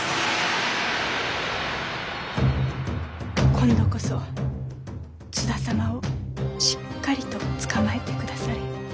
今度こそ津田様をしっかりとつかまえてくだされ。